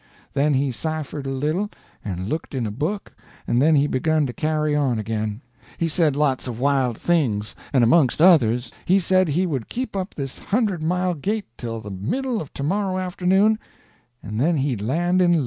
Then he ciphered a little and looked in a book, and then he begun to carry on again. He said lots of wild things, and, among others, he said he would keep up this hundred mile gait till the middle of to morrow afternoon, and then he'd land in London.